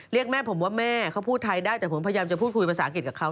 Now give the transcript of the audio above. เรียกแม่ผมว่าแม่เขาพูดไทยได้แต่ผมพยายามจะพูดคุยภาษาอังกฤษกับเขา